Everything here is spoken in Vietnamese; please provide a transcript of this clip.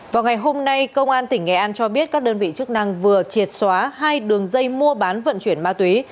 vào ngày hôm nay công an tỉnh nghệ an cho biết các đơn vị chức năng vừa triệt xóa hai đường dây mua bán vận chuyển ma túy